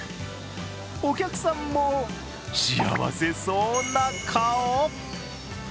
お客さんも幸せそうな顔。